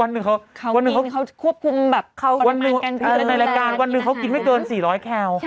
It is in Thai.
วันหนึ่งเขาควบคุมแบบวันหนึ่งในรายการวันหนึ่งเขากินไม่เกิน๔๐๐แคล